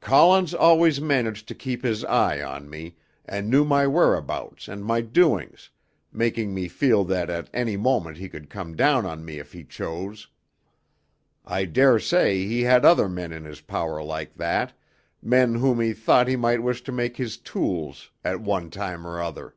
"Collins always managed to keep his eye on me, and knew my whereabouts and my doings, making me feel that at any moment he could come down on me if he chose. I daresay he had other men in his power like that, men whom he thought he might wish to make his tools at one time or other.